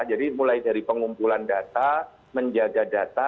jadi mulai dari pengumpulan data menjaga data